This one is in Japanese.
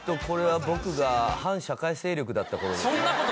これは僕が反社会勢力だった頃ですね。